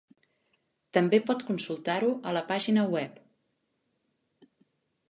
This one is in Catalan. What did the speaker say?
També pot consultar-ho a la pàgina web.